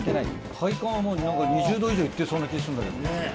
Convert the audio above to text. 体感はもう２０℃以上行ってそうな気すんだけど。